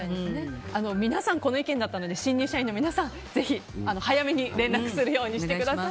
皆さん、この意見だったので新入社員の皆さん、ぜひ早めに連絡するようにしてください。